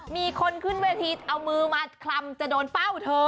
มีคนขึ้นเวทีเอามือมาคลำจะโดนเป้าเธอ